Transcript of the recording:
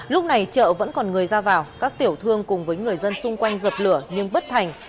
lúc này chợ vẫn còn người ra vào các tiểu thương cùng với người dân xung quanh dập lửa nhưng bất thành